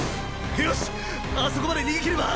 よしあそこまで逃げきれば。